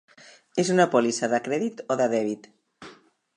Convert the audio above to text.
És una pòlissa de crèdit o de dèbit?